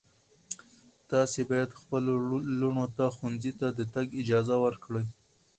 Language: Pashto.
تاسو باید خپلو لوڼو ته ښوونځي ته د تګ اجازه ورکړئ.